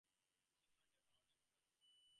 She hunted round everywhere for it.